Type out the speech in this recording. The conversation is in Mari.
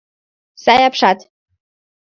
Сай апшат.